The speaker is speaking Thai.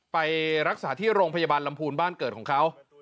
ไปรักษาที่โรงพยาบาลลำพูนบ้านเกิดของเขา